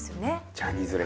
ジャニーズ歴。